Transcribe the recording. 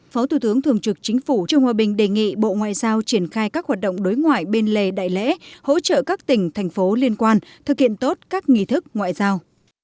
phó thủ tướng thường trực chính phủ trương hòa bình đề nghị bộ ngoại giao triển khai các hoạt động đối ngoại bên lề đại lễ hỗ trợ các tỉnh thành phố liên quan thực hiện tốt các nghi thức ngoại giao